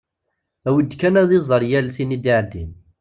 Awi-d kan ad iẓer yal tin i d-iɛeddin.